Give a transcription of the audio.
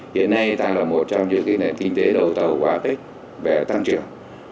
hiện nay ta là một trong nhiều nền kinh tế đầu tàu quá tích về tăng trưởng